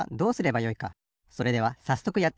それではさっそくやってみましょう。